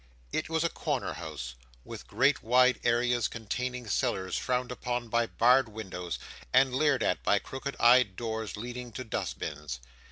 It was a corner house, with great wide areas containing cellars frowned upon by barred windows, and leered at by crooked eyed doors leading to dustbins.